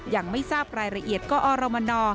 ยังไม่ทราบรายละเอียดก็อรมน